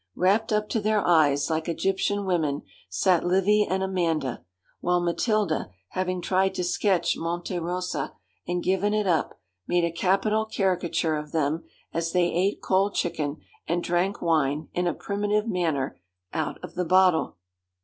Wrapped up to their eyes, like Egyptian women, sat Livy and Amanda; while Matilda, having tried to sketch Monte Rosa, and given it up, made a capital caricature of them as they ate cold chicken, and drank wine, in a primitive manner, out of the bottle.